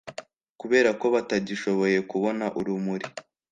Kubera ko batagishoboye kubona urumuri